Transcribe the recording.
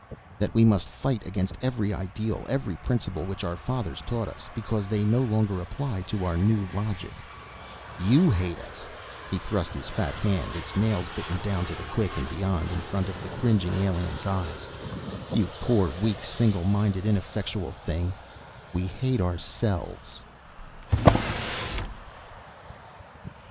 That we must fight against every ideal, every principle which our fathers taught us, because they no longer apply to our new logic? "You hate us!" He thrust his fat hand, its nails bitten down to the quick and beyond, in front of the cringing alien's eyes. "You poor, weak, single minded, ineffectual thing! We hate ourselves!"